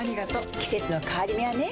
季節の変わり目はねうん。